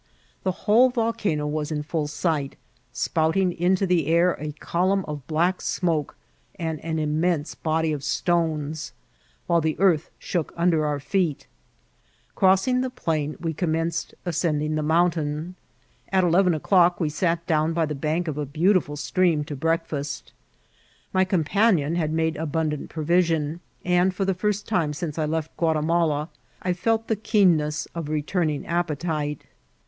The whole volcano was in full si^t, spouting into the air a column of black smoke and an immense body of stones, while the earth shook und^ our feet. Crossing the plain, we com* menced ascending the mountain. At eleven o'clock we sat down by the bank of a beautiful stream to break {aat. My companion had made abundant provision, and for the first time since I left Ouatimala I felt the keen ness of returning appetite.